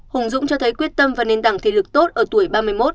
hùng dũng cho thấy quyết tâm và nền đẳng thể lực tốt ở tuổi ba mươi một